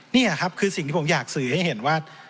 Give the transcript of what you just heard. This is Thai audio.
นี่แหละครับคือสิ่งที่ผมอยากสื่อให้เห็นว่า